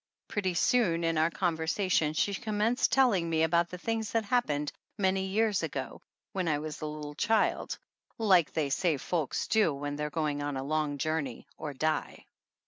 Pretty soon in our conversation she commenced telling me about the things that happened many years ago, when I was a little child, like they say folks do when they're going on a long journey or die.